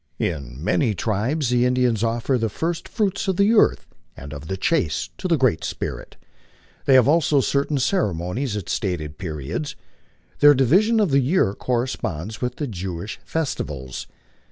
In many tribes the Indians offer the first fruits of the earth and of the chase to the Great Spirit. They have also certain ceremonies at stated periods. Their division of the year corresponds with tho Jewish festivals.